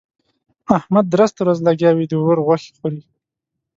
احمد درسته ورځ لګيا وي؛ د ورور غوښې خوري.